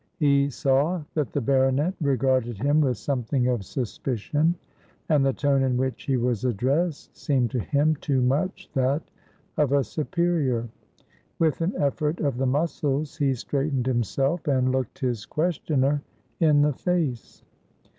He saw that the baronet regarded him with something of suspicion, and the tone in which he was addressed seemed to him too much that of a superior. With an effort of the muscles, he straightened himself and looked his questioner in the face.